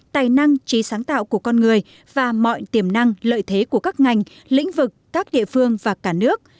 tài năng trí sáng tạo của con người và mọi tiềm năng lợi thế của các ngành lĩnh vực các địa phương và cả nước